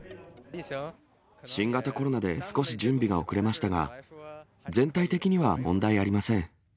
新型コロナで少し準備が遅れましたが、全体的には問題ありません。